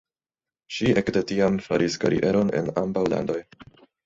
Ŝi ekde tiam faris karieron en ambaŭ landoj.